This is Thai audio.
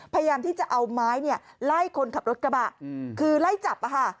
พยายามที่จะเอาไม้เนี่ยไล่คนขับรถกระบะคือไล่จับ